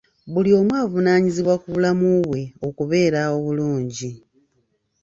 Buli omu avunaanyizibwa ku bulamu bwe okubeera obulungi.